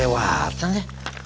lebih kelewatan ya